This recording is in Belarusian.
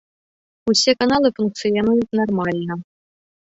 Усе каналы функцыянуюць нармальна.